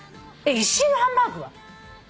イシイのハンバーグは？